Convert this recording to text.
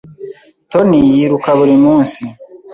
Tony yiruka buri munsi.